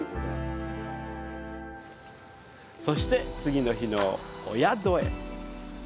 そして、この日のお宿へ。